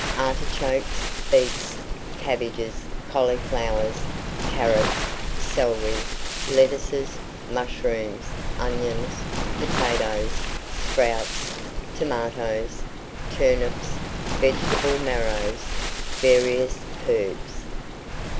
Artichokes, beets, cabbages, cauliflowers, carrots, celery, lettuces, mushrooms, onions, potatoes, sprouts, tomatoes, turnips, vegetable marrows, various herbs.